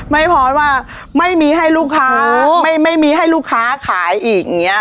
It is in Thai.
ไม่พอว่าไม่มีให้ลูกค้าขายอีก